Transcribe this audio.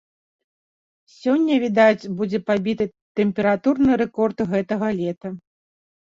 Сёння, відаць, будзе пабіты тэмпературны рэкорд гэтага лета.